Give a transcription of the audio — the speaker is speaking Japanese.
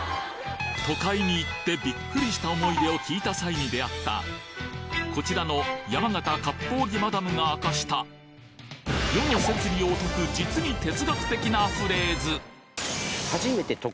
都会に行ってビックリした思い出を聞いた際に出会ったこちらの山形割烹着マダムが明かした世の摂理を解く実に私。